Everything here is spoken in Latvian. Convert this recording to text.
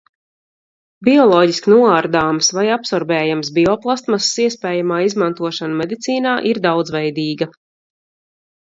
Bioloģiski noārdāmas vai absorbējamas bioplastmasas iespējamā izmantošana medicīnā ir daudzveidīga.